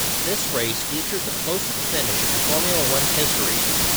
This race featured the closest finish in Formula One history.